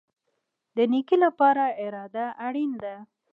د نیکۍ لپاره اراده اړین ده